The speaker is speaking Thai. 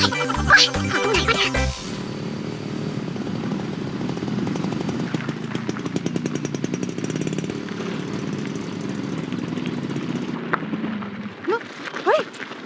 เฮ้ยเฮ้ย